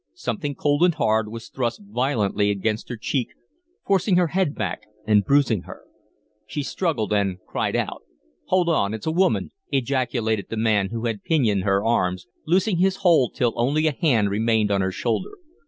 Something cold and hard was thrust violently against her cheek, forcing her head back and bruising her. She struggled and cried out. "Hold on it's a woman!" ejaculated the man who had pinioned her arms, loosing his hold till only a hand remained on her shoulder.